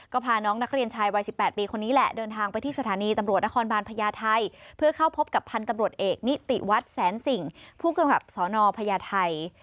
ก็พาน้องนักเรียนชายวัย๑๘ปีคนนี้แหละเดินทางไปที่สถานีตำรวจนครบานพญาไทยเพื่อเข้าพบกับพันธุ์ตำรวจเอกนิติวัฒน์แสนสิ่งผู้กำกับสนพญาไทย